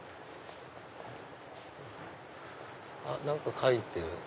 何か書いてる。